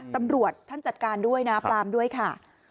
ตำรวจท่านจัดการด้วยนะปลามด้วยค่ะ